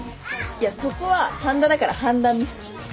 いやそこは半田だから判断ミスでしょ。